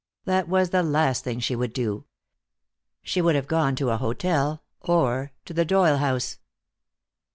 That was the last thing she would do. She would have gone to a hotel, or to the Doyle house.